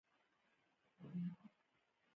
پیاله د عرفان مکتب ده.